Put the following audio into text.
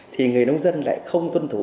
thì người nông dân lại không tuân thủ